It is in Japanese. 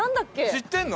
知ってるの？